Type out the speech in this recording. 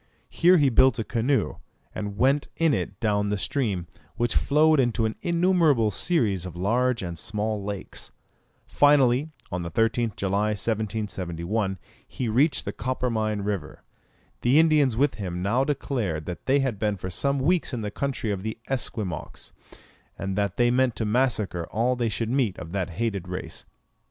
Here he built a canoe, and went in it down the stream, which flowed into an innumerable series of large and small lakes. Finally, on the 13th July, 1771, he reached the Coppermine River. The Indians with him now declared that they had been for some weeks in the country of the Esquimaux, and that they meant to massacre all they should meet of that hated race.